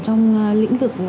trong lĩnh vực